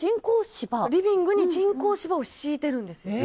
リビングに人工芝を敷いてるんですよ。